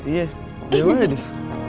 iya gue aja nadif